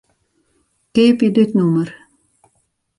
Keapje dit nûmer.